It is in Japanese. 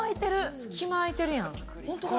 隙間あいてるやん。